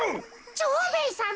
蝶兵衛さま